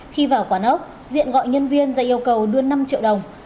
khi vào quán ốc diện gọi nhân viên dạy yêu cầu đưa năm triệu đồng